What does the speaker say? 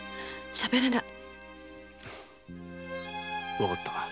わかった。